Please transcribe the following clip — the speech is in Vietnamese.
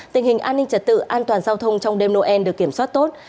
tình hình an ninh trật tự an toàn giao thông trong đêm noel được kiểm soát tốt